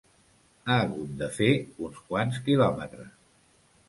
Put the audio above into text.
Ha hagut de fer uns quants quilòmetres.